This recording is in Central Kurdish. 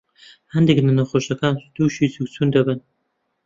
هەندێ لە نەخۆشەکان تووشى زگچوون دەبن.